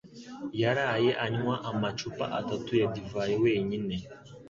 yaraye anywa amacupa atatu ya divayi wenyine.